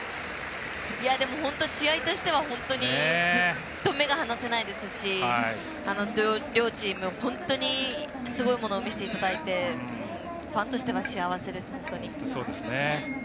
でも、試合としては本当にずっと目が離せないですし両チーム、本当にすごいものを見せていただいてファンとしては幸せです、本当に。